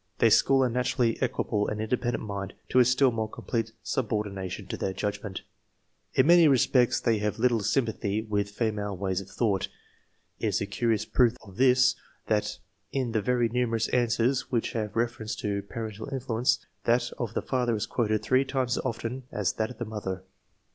They school a naturally equable and independent mind to a still more complete subordination to their judgment. In many respects they have little sympathy with female ways of thought. It is a curious proof of this, that in the very numerous answers which have reference to parental influence, that of the father is quoted three times as often as that of the mother.